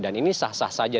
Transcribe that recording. dan ini sah sah saja